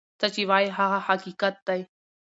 څه چی وای هغه حقیقت دی.